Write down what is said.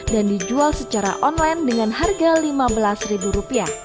dan dijual secara online dengan harga rp lima belas